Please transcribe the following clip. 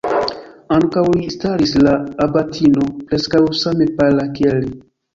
Antaŭ li staris la abatino, preskaŭ same pala, kiel li.